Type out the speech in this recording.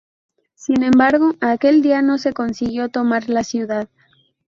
Sin embargo, aquel día no se consiguió tomar la ciudad.